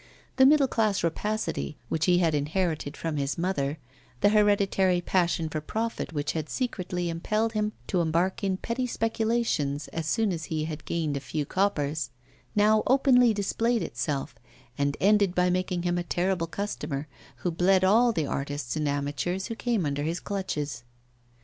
The middle class rapacity which he had inherited from his mother, the hereditary passion for profit which had secretly impelled him to embark in petty speculations as soon as he had gained a few coppers, now openly displayed itself, and ended by making him a terrible customer, who bled all the artists and amateurs who came under his clutches.